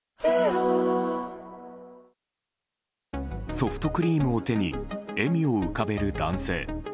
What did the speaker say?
ソフトクリームを手に笑みを浮かべる男性。